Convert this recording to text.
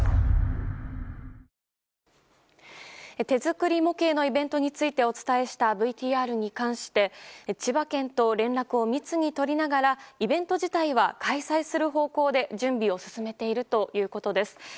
手作り模型のイベントについてお伝えしたＶＴＲに関して千葉県と連絡を密に取りながらイベント自体は開催する方向で準備を進めているということです。